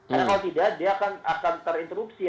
karena kalau tidak dia akan terinterupsi